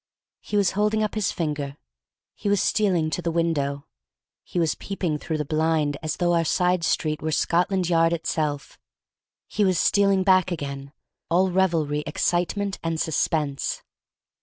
He was holding up his finger; he was stealing to the window; he was peeping through the blind as though our side street were Scotland Yard itself; he was stealing back again, all revelry, excitement, and suspense.